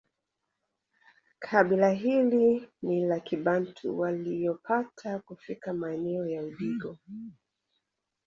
Kabila hili ni la kibantu waliopata kufika maeneo ya Udigo